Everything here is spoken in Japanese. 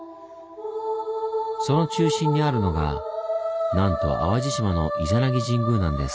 その中心にあるのがなんと淡路島の伊弉諾神宮なんです。